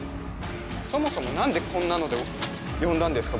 そもそも何でこんなので呼んだんですか？